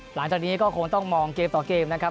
หลังจากนี้ก็คงต้องมองเกมต่อเกมนะครับ